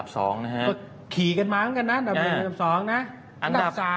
ก็ขี่กันมากันนะอันดับ๓นะ